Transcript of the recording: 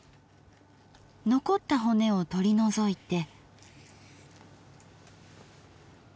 残った骨を取り除いて。